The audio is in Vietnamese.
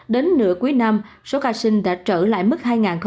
đến nửa cuối năm số ca sinh đã trở lại mức hai nghìn một mươi chín